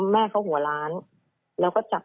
แม่เขาหัวล้านแล้วก็จับ